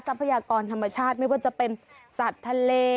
พยากรธรรมชาติไม่ว่าจะเป็นสัตว์ทะเล